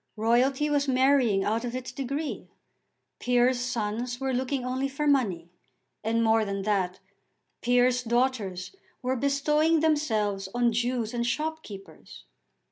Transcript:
Royalty was marrying out of its degree. Peers' sons were looking only for money. And, more than that, peers' daughters were bestowing themselves on Jews and shopkeepers.